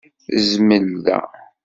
Zmel da.